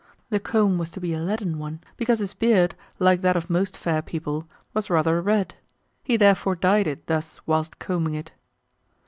The comb was to be a leaden one, because his beard, like that of most fair people, was rather red; he therefore dyed it thus whilst combing it.